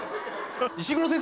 石黒先生